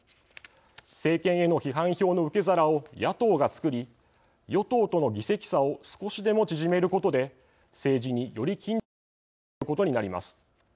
政権への批判票の受け皿を野党がつくり、与党との議席差を少しでも縮めることで政治に、より緊張感が生まれることになります。